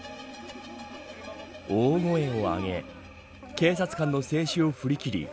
大声を上げ警察官の制止を振り切り